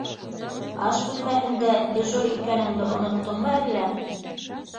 Аш бүлмәһендә дежур икәнеңде оноттоңмо әллә.